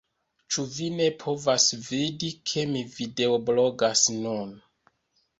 Ĉu vi ne povas vidi, ke mi videoblogas nun